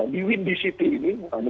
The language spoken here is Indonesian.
lewin di situ ini